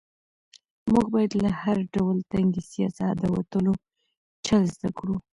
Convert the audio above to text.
موږ باید له هر ډول تنګسیا څخه د وتلو چل زده کړو.